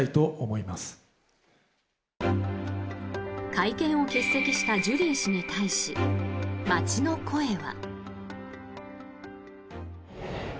会見を欠席したジュリー氏に対し、街の声は。